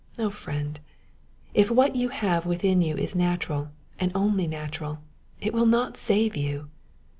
O friend, if what you have within you is natural, and only natural, it will not save you